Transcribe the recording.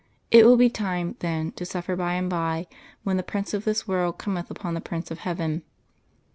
_ It will be time, then, to suffer by and bye, when the Prince of this world cometh upon the Prince of Heaven.